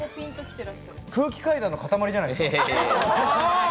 空気階段のかたまりじゃないですか？